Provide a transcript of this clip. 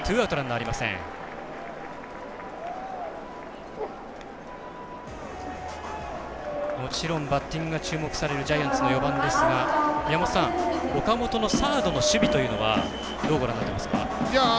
もちろんバッティングが注目されるジャイアンツの４番ですが岡本のサードの守備というのはどのようにご覧になっていますか。